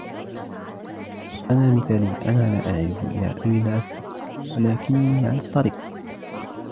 أنا مثالي. أنا لا أعرف إلي أين أذهب, ولكني على الطريق.